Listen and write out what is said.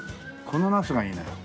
このナスがいいのよ。